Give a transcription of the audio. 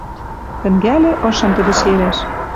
Тӹнгӓльӹ ышым тӹдӹ шерӓш —